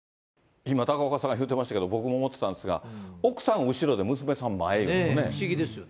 今、高岡さんが言うてましたけど、僕も思ってたんですが、不思議ですよね。